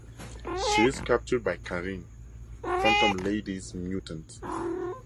She is captured by Karin, Phantom Lady's mutant.